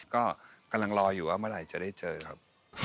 ก็กำลังรออยู่ว่าเมื่อไหร่จะได้เจอครับ